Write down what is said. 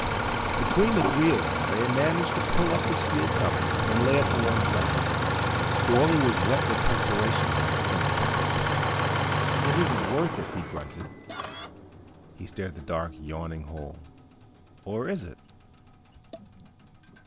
Between the three of them they managed to pull up the steel cover and lay it to one side. Dorle was wet with perspiration when they finished. "It isn't worth it," he grunted. He stared into the dark yawning hole. "Or is it?"